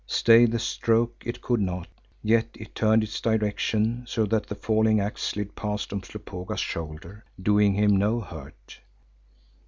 Stay the stroke it could not, yet it turned its direction, so that the falling axe slid past Umslopogaas's shoulder, doing him no hurt.